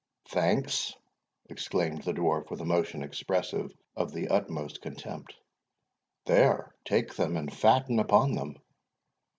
"Thanks!" exclaimed the Dwarf, with a motion expressive of the utmost contempt "There take them, and fatten upon them!